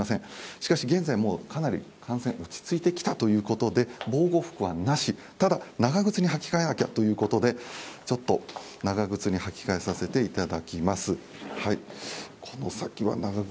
しかし現在、かなり感染、落ち着いてきたということで防護服はなし、ただ長靴に履き替えなきゃということで、長靴に履き替えさせていただきます。